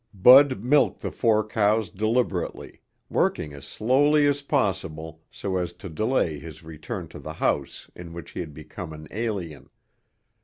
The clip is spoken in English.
Bud milked the four cows deliberately, working as slowly as possible so as to delay his return to the house in which he had become an alien.